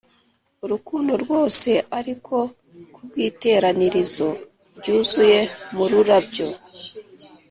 urukundo rwose ariko kubwiteranirizo ryuzuye mururabyo